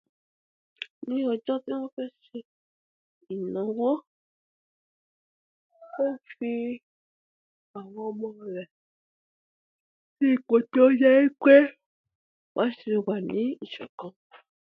He was used as a guinea pig for Doctor Geiger's experiments.